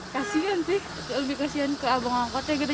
kasian sih lebih kasian ke abang angkotnya